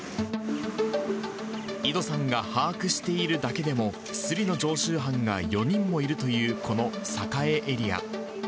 井戸さんが把握しているだけでも、すりの常習犯が４人もいるという、この栄エリア。